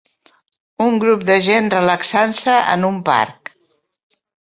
Un grup de gent relaxant-se en un parc.